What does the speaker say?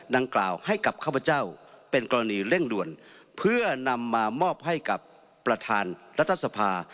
ดังกล่าวให้กับข้าพเจ้าเป็นกรณีเร่งด่วนเพื่อนำมามอบให้กับประธานรัฐสภา